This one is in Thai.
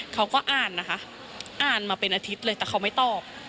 เขาก็อ่านนะคะอ่านมาเป็นอาทิตย์เลยแต่เขาไม่ตอบ